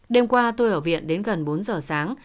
đêm qua tôi ở viện đến gần bốn giờ sáng